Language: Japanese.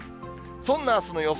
そんなあすの予想